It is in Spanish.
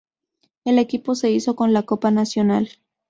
El equipo se hizo con la copa nacional.